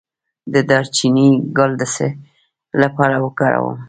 د دارچینی ګل د څه لپاره وکاروم؟